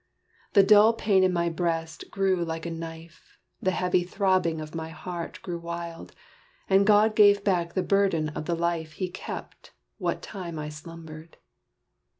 The dull pain in my breast grew like a knife The heavy throbbing of my heart grew wild, And God gave back the burden of the life He kept what time I slumbered.